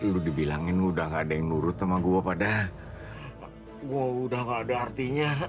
lo dibilangin udah nggak ada yang nurut sama gua padahal gua udah nggak ada artinya